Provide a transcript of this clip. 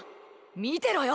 見てろよ！